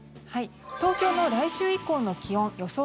東京の来週以降の気温予想